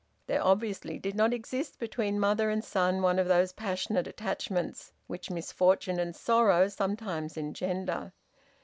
There obviously did not exist between mother and son one of those passionate attachments which misfortune and sorrow sometimes engender.